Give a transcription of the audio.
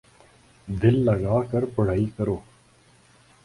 دل لگا کر پڑھائی کرو